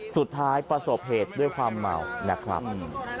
ประสบเหตุด้วยความเมานะครับ